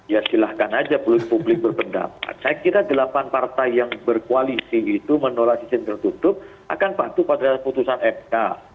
ya silahkan aja publik berpendapat saya kira delapan partai yang berkoalisi itu menolak sistem tertutup akan patuh pada putusan mk